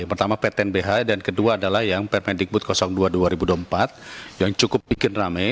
pertama ptnbhi dan kedua adalah yang permendikbud dua dua ribu dua puluh empat yang cukup bikin rame